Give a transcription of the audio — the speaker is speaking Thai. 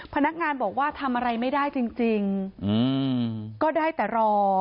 พนักงานบอกว่าทำอะไรไม่ได้จริงก็ได้แต่รอ